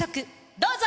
どうぞ！